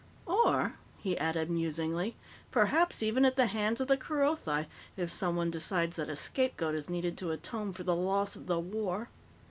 Or," he added musingly, "perhaps even at the hands of the Kerothi, if someone decides that a scapegoat is needed to atone for the loss of the war."